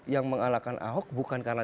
yang mengalahkan ahok bukan karena